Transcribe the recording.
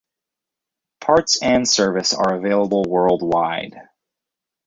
Parts and service are available worldwide.